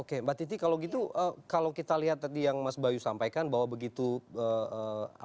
oke mbak titi kalau gitu kalau kita lihat tadi yang mas bayu sampaikan bahwa begitu ee